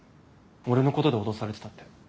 俺のことで脅されてたって。